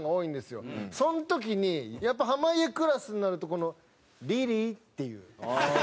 その時にやっぱり濱家クラスになるとこの「リリー？」っていう。